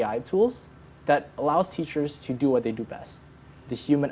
yang membolehkan guru berbuat apa yang terbaik